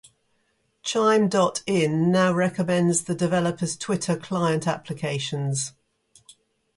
Chime.in now recommends the developer's Twitter client applications.